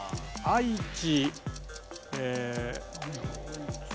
愛知。